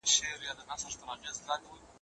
زه به سبا د لغتونو تمرين وکړم..